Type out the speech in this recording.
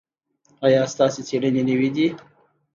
ایا ستاسو څیړنې نوې دي؟